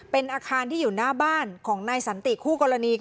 เป็นอาคารที่อยู่หน้าบ้านของนายสันติคู่กรณี